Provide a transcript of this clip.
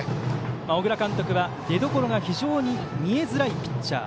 小倉監督は、出どころが非常に見えづらいピッチャー。